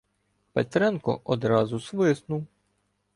Петренко одразу свиснув.